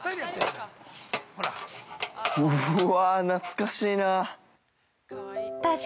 うわー懐かしいなぁ！